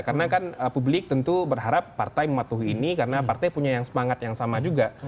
karena kan publik tentu berharap partai mematuhi ini karena partai punya yang semangat yang sama juga